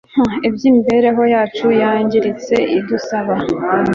ibyimibereho yacu yangiritse idusaba